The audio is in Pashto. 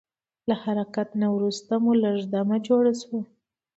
له حرکت نه وروسته مو چې لږ دمه جوړه شوه.